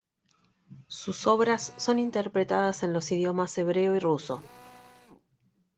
Sus obras son interpretadas en los idiomas hebreo y ruso.